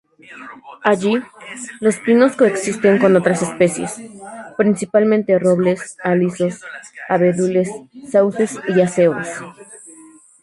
Allí, los pinos coexisten con otras especies, principalmente robles, alisos, abedules, sauces y acebos.